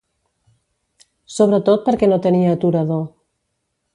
Sobretot perquè no tenia aturador.